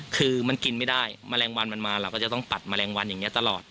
คือมันกินไม่ได้แมลงวันมันมาเราก็จะต้องปัดแมลงวันอย่างนี้ตลอด